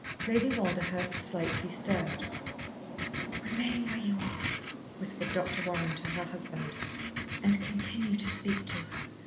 Lady Walderhurst slightly stirred. "Remain where you are," whispered Dr. Warren to her husband, "and continue to speak to her.